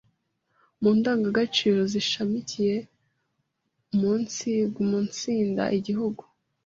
Mu ndangagaciro zishamikiye umunsi guumunsinda Igihugu